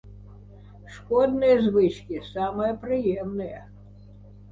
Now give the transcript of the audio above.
Шкодныя звычкі самыя прыемныя.